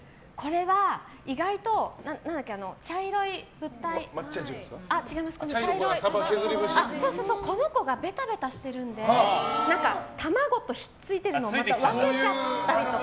意外と茶色い物体サバの削り節がこの子がベタベタしてるので卵と引っ付いてるのを分けちゃったりとか。